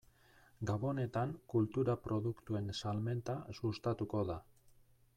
Gabonetan kultura produktuen salmenta sustatuko da.